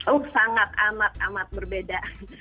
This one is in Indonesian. oh sangat amat amat berbeda